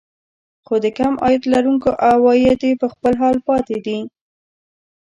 خو د کم عاید لرونکو عوايد په خپل حال پاتې دي